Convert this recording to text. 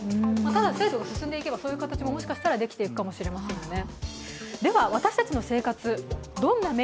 ただ制度が進んでいけば、そういう形ももしかしたら、できていくかもしれませんよね。